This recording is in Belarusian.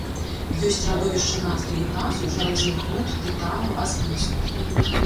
Ёсць радовішчы нафты і газу, жалезных руд, тытану, азбесту.